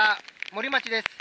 森町です。